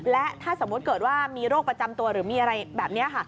และถ้าสมมุติเกิดว่ามีโรคประจำตัวหรือมีอะไรแบบนี้ค่ะ